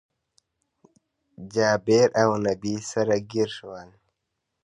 جابير اونبي سره ګير شول